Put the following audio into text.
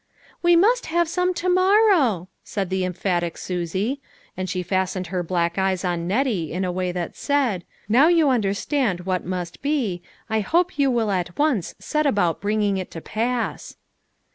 " We must have some to morrow," said the emphatic Susie, and she fastened her black eyes on Nettie in a way that said :" Now you under stand what must be, I hope you will at once set about bringing it to pass."